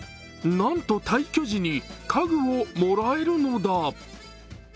なんと退去時に家具をもらえるのだ。